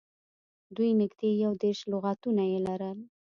دوی نږدې یو دېرش لغاتونه یې لرل